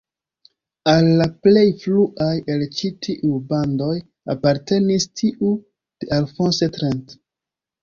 Al la plej fruaj el ĉi tiuj bandoj apartenis tiu de Alphonse Trent.